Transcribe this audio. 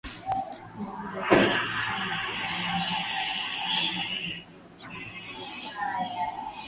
Naibu Gavana Atingi aliuambia mkutano wa wanahabari kuwa, uchumi unaendelea kukabiliwa na shinikizo kubwa la mfumuko wa bei kutokana na mabadiliko ya hali ya hewa